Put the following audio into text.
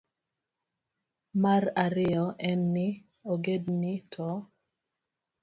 Mar ariyo en ni, ogendini to